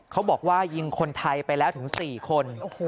เขาบอกว่ายิงคนไทยไปแล้วถึง๔คน